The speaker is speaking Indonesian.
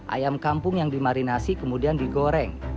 ayam kampung yang dimarinasi kemudian digoreng